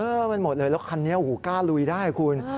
มันหมดเลยแล้วคันนี้โอ้โหกล้าลุยได้คุณ